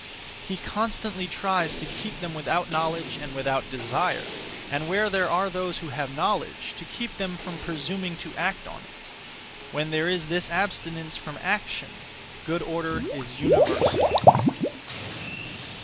He constantly (tries to) keep them without knowledge and without desire, and where there are those who have knowledge, to keep them from presuming to act (on it). When there is this abstinence from action, good order is universal.